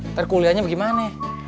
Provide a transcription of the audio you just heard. ntar kuliahnya bagaimana